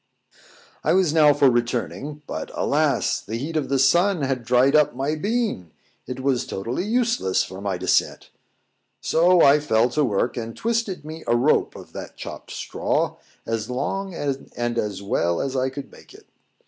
I was now for returning: but, alas! the heat of the sun had dried up my bean; it was totally useless for my descent: so I fell to work, and twisted me a rope of that chopped straw, as long and as well as I could make it.